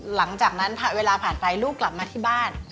หลังจากนั้นเวลาผ่านไปลูกกลับมาที่บ้าน